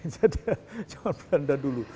jadi jembatan belanda dulu